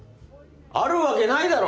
あるわけないだろ！